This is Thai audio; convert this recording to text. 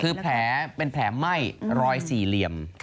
คือแผลเป็นแผลไหม้รอยสี่เหลี่ยม